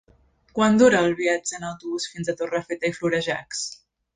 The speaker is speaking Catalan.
Quant dura el viatge en autobús fins a Torrefeta i Florejacs?